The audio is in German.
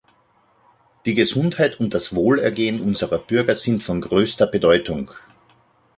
Die Gesundheit und das Wohlergehen unserer Bürger sind von größter Bedeutung.